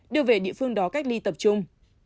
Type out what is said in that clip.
đưa về địa phương đó cách ly tập trung